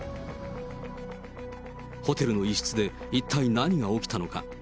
ホテルの一室で一体何が起きたのか。